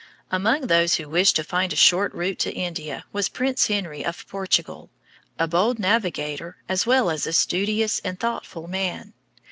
Among those who wished to find a short route to India was Prince Henry of Portugal, a bold navigator as well as a studious and thoughtful man.